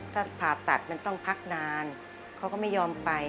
ถ้าผ่าตัดมันต้องพักนานเขาก็ไม่ยอมไป